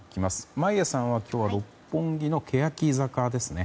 眞家さんは今日は六本木のけやき坂ですね。